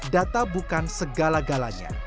data bukan segala galanya